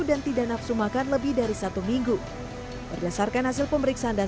tidak nafsu makan lebih dari satu minggu berdasarkan hasil pemeriksaan dan